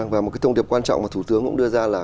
và một cái thông điệp quan trọng mà thủ tướng cũng đưa ra là